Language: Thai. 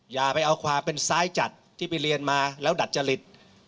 อย่าไปเอาความเป็นซ้ายจัดที่ไปเรียนมาแล้วดัดจริต